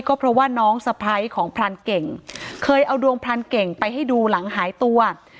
ก็เพราะว่าน้องสะพ้ายของพรานเก่งเคยเอาดวงพรานเก่งไปให้ดูหลังหายตัว